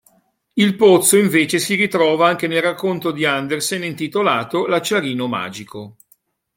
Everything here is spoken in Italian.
Il pozzo invece si ritrova anche nel racconto di Andersen intitolato "L'acciarino magico".